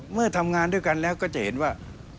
เมื่อทำงานด้วยกันแล้วก็จะเห็นว่า